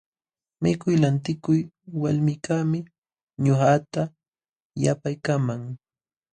Mikuy lantikuq walmikaqmi ñuqata yapaykaman.